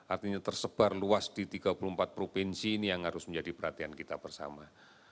artinya tersebar luas di tiga puluh empat provinsi ini yang harus menjadi perhatian kita bersama